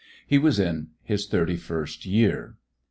He was in his thirty first year.